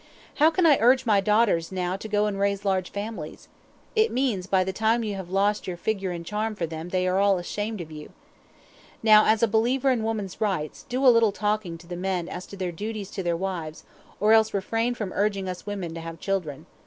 How can I urge my daughters now to go and raise large families? It means by the time you have lost your figure and charm for them they are all ashamed of you. Now, as a believer in woman's rights, do a little talking to the men as to their duties to their wives, or else refrain from urging us women to have children.